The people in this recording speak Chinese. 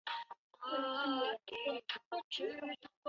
特产为手工猪胰子。